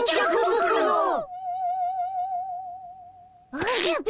おじゃ貧！